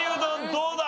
どうだ？